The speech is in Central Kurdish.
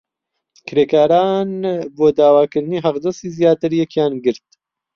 کرێکاران بۆ داواکردنی حەقدەستی زیاتر یەکیان گرت.